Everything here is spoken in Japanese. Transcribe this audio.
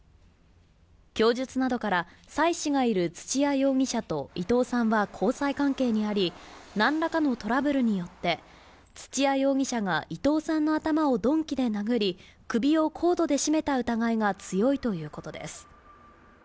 供述などから妻子がいる土屋容疑者と伊藤さんは交際関係にあり何らかのトラブルによって土屋容疑者が伊藤さんの頭を鈍器で殴り首をコードで絞めた疑いが強いということです。